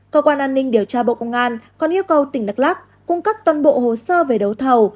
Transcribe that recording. cơ quan an ninh điều tra bộ công an còn yêu cầu tỉnh đắk lắc cung cấp toàn bộ hồ sơ về đấu thầu